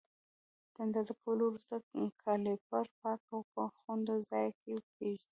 د اندازه کولو وروسته کالیپر پاک او په خوندي ځای کې کېږدئ.